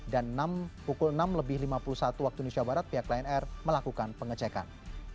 dan pukul enam lima puluh satu waktu indonesia barat pihak lion air melakukan pengecekan